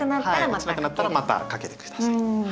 落ちなくなったらまた掛けて下さい。